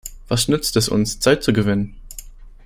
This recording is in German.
Was nützt es uns, Zeit zu gewinnen?